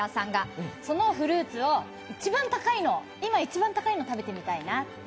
そのフルーツを一番高いの今、一番高いのを食べてみたいな。